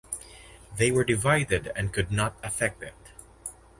They were Divided and could not Effect it.